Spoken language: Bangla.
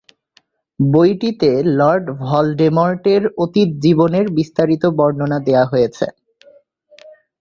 বইটিতে লর্ড ভলডেমর্টের অতীত জীবনের বিস্তারিত বর্ণনা দেয়া হয়েছে।